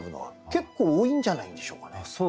結構多いんじゃないんでしょうかね。